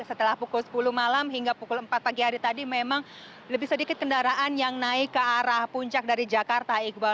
setelah pukul sepuluh malam hingga pukul empat pagi hari tadi memang lebih sedikit kendaraan yang naik ke arah puncak dari jakarta iqbal